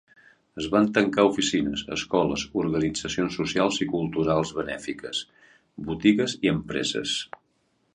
Es van tancar oficines, escoles, organitzacions socials i culturals benèfiques, botigues i empreses.